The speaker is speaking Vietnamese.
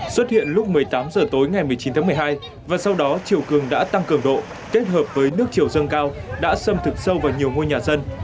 xuất hiện lúc một mươi tám h tối ngày một mươi chín tháng một mươi hai và sau đó chiều cường đã tăng cường độ kết hợp với nước chiều dâng cao đã xâm thực sâu vào nhiều ngôi nhà dân